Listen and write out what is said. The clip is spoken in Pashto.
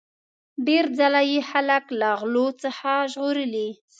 ډیر ځله یې خلک له غلو څخه ژغورلي.